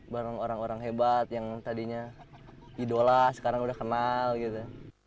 bareng orang orang hebat yang tadinya idola sekarang udah kenal gitu